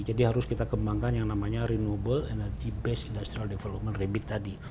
jadi harus kita kembangkan yang namanya renewable energy based industrial development rebit tadi